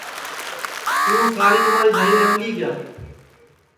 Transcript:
توں ساری عمر اِدھائی رئوں گی کیا